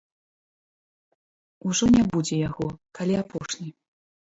Ужо не будзе яго, калі апошні.